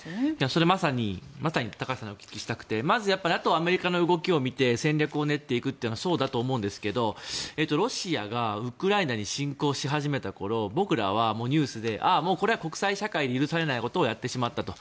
それはまさに高橋さんにお聞きしたくてまずＮＡＴＯとアメリカの動きを見て戦略を練っていくというのはそうだと思うんですがロシアがウクライナに侵攻し始めた頃僕らはニュースでこれは国際社会で許されないことをやってしまったと。